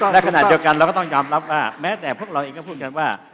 ในขณะเดียวกันเราก็ต้องยอมรับว่าแม้แต่พวกเราเองก็พูดกันว่า